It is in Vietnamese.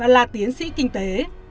là tiến sĩ kinh tế